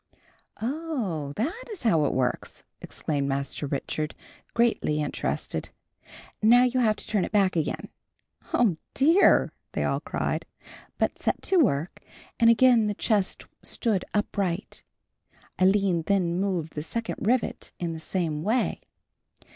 "Oh, that is how it works," exclaimed Master Richard, greatly interested. "Now you have to turn it back again." "Oh, dear," they all cried; but set to work, and again the chest stood upright. Aline then moved the second rivet in the same way.